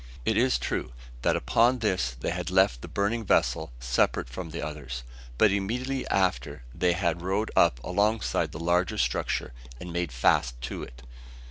It is true, that upon this they had left the burning vessel separate from the others; but immediately after they had rowed up alongside the larger structure, and made fast to it.